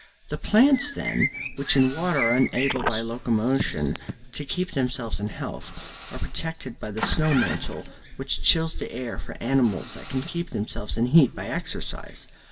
The plants, then, which in winter are unable by locomotion to keep themselves in health, are protected by the snow mantle which chills the air for animals that can keep themselves in heat by exercise.